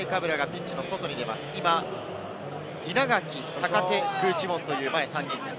一度ナイカブラがピッチの外に出ます。